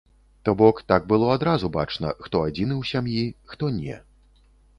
То бок так было адразу бачна, хто адзіны ў сям'і, хто не.